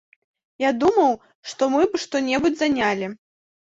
Я думаю, што мы б што-небудзь занялі.